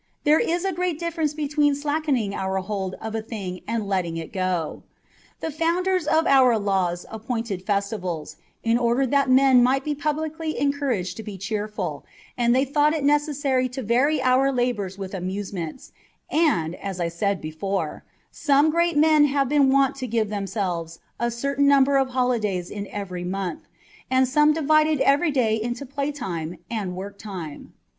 There is a great difference between slackening your hold of a thing and letting it go. The founders of our laws appointed festivals, in order that men might be publicly encouraged to be cheerful, and they thought it necessary to vary our labours with amusements, and, as I said before, some great men have been wont to give themselves a certain number of holidays in every month, and some divided every day into play time and work time.